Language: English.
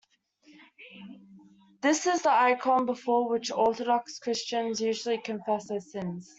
This is the icon before which Orthodox Christians usually confess their sins.